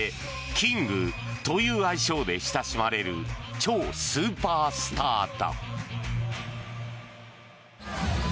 キングという愛称で親しまれる超スーパースターだ。